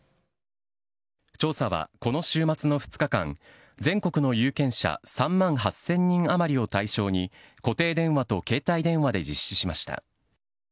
調査はこの週末の２日間、全国の有権者３万８０００人余りを対象に、固定電話と携帯電話で実施しました。